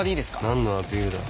何のアピールだ？